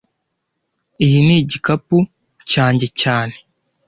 Iyi ni igikapu cyanjye cyane